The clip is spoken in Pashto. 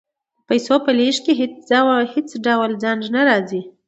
د پیسو په لیږد کې هیڅ ډول ځنډ نه راځي.